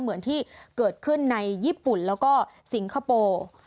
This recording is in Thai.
เหมือนที่เกิดขึ้นในญี่ปุ่นแล้วก็สิงคโปร์